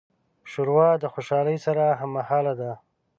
ښوروا د خوشالۍ سره هممهاله ده.